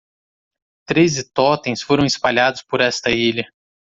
Treze totens foram espalhados por esta ilha.